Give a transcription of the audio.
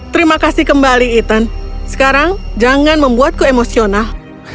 terima kasih kembali ethan sekarang jangan membuatku emosional